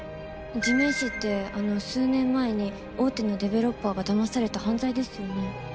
地面師ってあの数年前に大手のデベロッパーがだまされた犯罪ですよね？